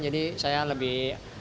jadi saya lebih